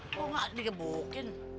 kok gak dikebukin